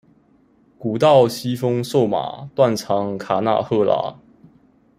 古道西風瘦馬，斷腸卡納赫拉